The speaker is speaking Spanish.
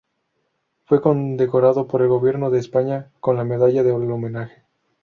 Fue condecorado por el gobierno de España con la Medalla del Homenaje.